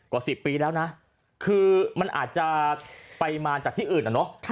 กว่า๑๐ปีแล้วนะคือมันอาจจะไปมาจากที่อื่นนะเนอะ